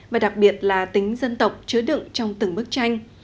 và đặc biệt là tính dân tộc chứa đựng trong từng bức tranh